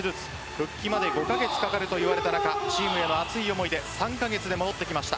復帰まで５カ月かかるといわれた中チームへの熱い思いで３カ月で戻って来ました。